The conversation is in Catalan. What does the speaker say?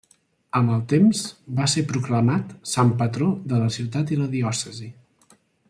Amb el temps, va ser proclamat sant patró de la ciutat i la diòcesi.